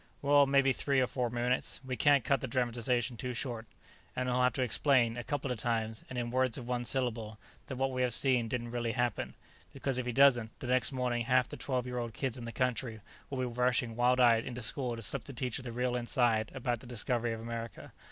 "Well, maybe three or four minutes. We can't cut the dramatization too short " "And he'll have to explain, a couple of times, and in words of one syllable, that what we have seen didn't really happen, because if he doesn't, the next morning half the twelve year old kids in the country will be rushing wild eyed into school to slip the teacher the real inside about the discovery of America.